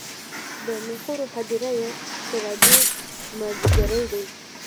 د میخورو هـــــدیره یې شــــــرابي مــــاځیګری دی